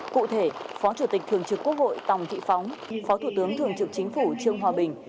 cụ thể phó chủ tịch thường trực quốc hội tòng thị phóng phó thủ tướng thường trực chính phủ trương hòa bình